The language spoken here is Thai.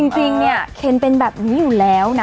จริงเนี่ยเคนเป็นแบบนี้อยู่แล้วนะ